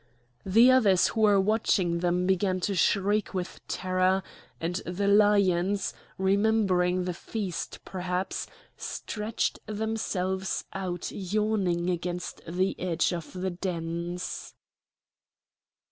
The others who were watching them began to shriek with terror, and the lions, remembering the feast perhaps, stretched themselves out yawning against the edge of the dens.